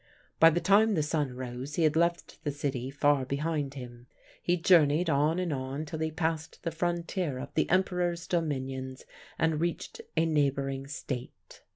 "By the time the sun rose he had left the city far behind him. He journeyed on and on till he passed the frontier of the Emperor's dominions and reached a neighbouring State.